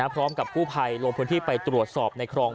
พร้อมกับกู้ภัยลงพื้นที่ไปตรวจสอบในคลอง